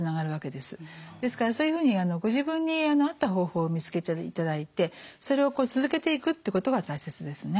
ですからそういうふうにご自分に合った方法を見つけていただいてそれを続けていくってことが大切ですね。